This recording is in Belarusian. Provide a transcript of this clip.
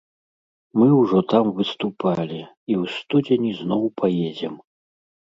Мы ўжо там выступалі, і ў студзені зноў паедзем.